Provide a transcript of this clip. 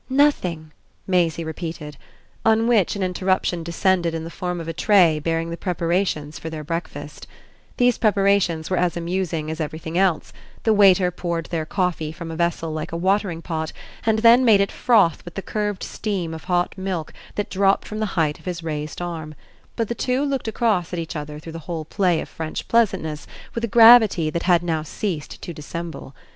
"Nothing," Maisie repeated; on which an interruption descended in the form of a tray bearing the preparations for their breakfast. These preparations were as amusing as everything else; the waiter poured their coffee from a vessel like a watering pot and then made it froth with the curved stream of hot milk that dropped from the height of his raised arm; but the two looked across at each other through the whole play of French pleasantness with a gravity that had now ceased to dissemble.